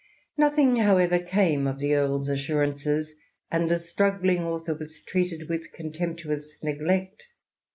Nothing, however, came of the earl's assurances, and the struggling author was treated with contemptuous neglect.